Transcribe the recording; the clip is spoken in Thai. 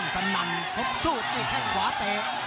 สุดเด็กถั่วต่อ